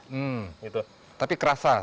hmm tapi kerasa